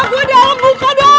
ya gue di dalam buka dong